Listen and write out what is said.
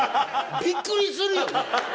びっくりするよね。